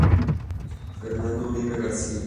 Fernando Uribe García.